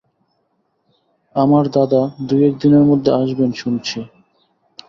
আমার দাদা দুই-একদিনের মধ্যে আসবেন শুনেছি।